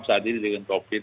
saat ini dengan covid